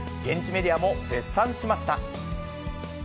現地メディアも絶賛しました。